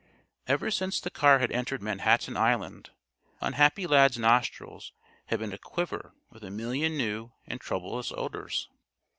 Ever since the car had entered Manhattan Island, unhappy Lad's nostrils had been aquiver with a million new and troublous odors.